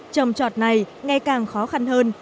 trầm trọt này ngay càng khó khăn hơn